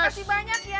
makasih banyak ya